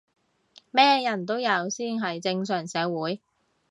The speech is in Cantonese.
咩人都有先係正常社會